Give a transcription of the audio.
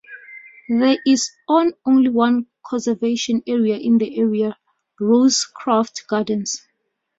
There is on only one Conservation Area in the area: Rosecroft Gardens.